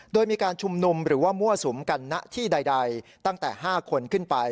โดยมีการชุมนุมหรือว่ามั่วสุมกันณที่ใดตั้งแต่๕คนขึ้นไป